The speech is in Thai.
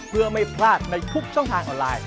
เพื่อไม่พลาดในทุกช่องทางออนไลน์